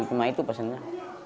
cuma itu pesannya